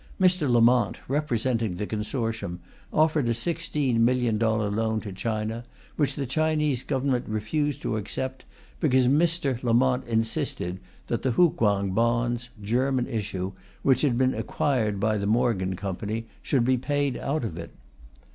Mr. Lamont, representing the consortium, offered a sixteen million dollar loan to China, which the Chinese Government refused to accept because Mr. Lamont insisted that the Hukuang bonds, German issue, which had been acquired by the Morgan Company, should be paid out of it."